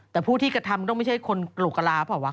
แต่ผู้ที่กระทำต้องไม่ใช่คนโกรธกระลาภหรือเปล่า